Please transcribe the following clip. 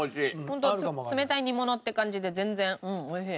ホント冷たい煮物って感じで全然美味しい。